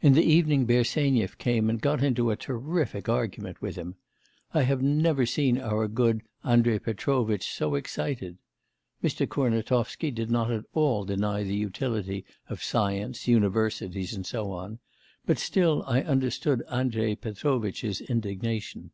In the evening Bersenyev came and got into a terrific argument with him. I have never seen our good Andrei Petrovitch so excited. Mr. Kurnatovsky did not at all deny the utility of science, universities, and so on, but still I understood Andrei Petrovitch's indignation.